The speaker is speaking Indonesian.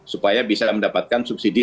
supaya bisa mendapatkan subsidi